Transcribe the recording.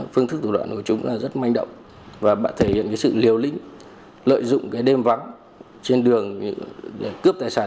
phương thức tổ đoạn của chúng rất manh động thể hiện sự liều lĩnh lợi dụng đêm vắng trên đường cướp tài sản